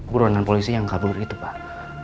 buronan polisi yang kabur itu pak